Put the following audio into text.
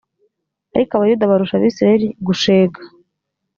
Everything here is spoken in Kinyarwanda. ariko abayuda barusha abisirayeli gushega